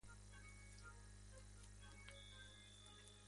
El resto es trabajar.